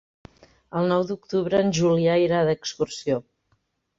El nou d'octubre en Julià irà d'excursió.